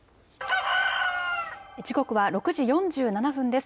時刻は６時４７分です。